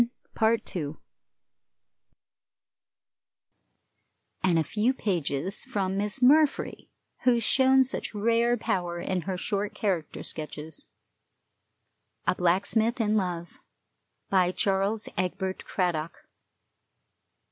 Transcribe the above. _And a few pages from Miss Murfree, who has shown such rare power in her short character sketches. A BLACKSMITH IN LOVE. BY CHARLES EGBERT CRADDOCK.